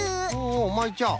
おおまいちゃ。